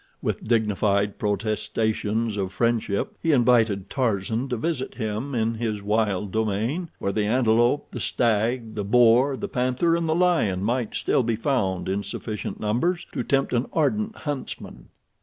With dignified protestations of friendship, he invited Tarzan to visit him in his wild domain, where the antelope, the stag, the boar, the panther, and the lion might still be found in sufficient numbers to tempt an ardent huntsman.